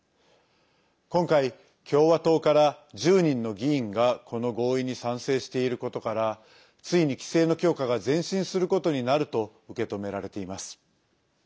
今回、共和党から１０人の議員がこの合意に賛成していることからついに規制の強化が前進することになると受け止められています。